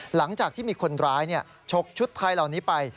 หลังจากที่มีคนร้ายชกชุดไทยเหล่านี้ไป